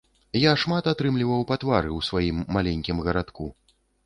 Я шмат атрымліваў па твары ў сваім маленькім гарадку.